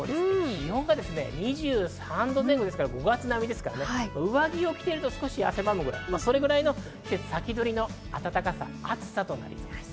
気温が２３度前後、５月並みですから、上着を着ていると、少し汗ばむくらい、それくらいの季節先取りな暖かさ、暑さとなりそうです。